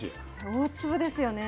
大粒ですよね。